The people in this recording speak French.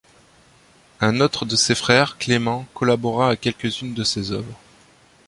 Un autre de ses frères, Clément, collabora à quelques-unes de ses oeuvres.